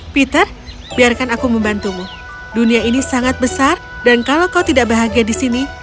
peter biarkan aku membantumu dunia ini sangat besar dan kalau kau tidak bahagia di sini